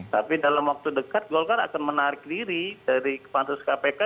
tapi dalam waktu dekat golkar akan menarik diri dari pansus kpk